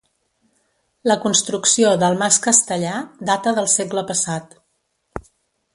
La construcció del Mas Castellar data del segle passat.